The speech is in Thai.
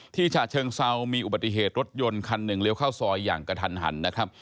ฉะเชิงเซามีอุบัติเหตุรถยนต์คันหนึ่งเลี้ยวเข้าซอยอย่างกระทันหันนะครับ